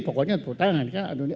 pokoknya tepuk tangan